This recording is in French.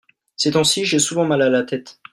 ces temps-ci j'ai souvent mal à la tête.